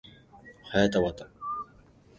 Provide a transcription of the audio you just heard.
はやたわた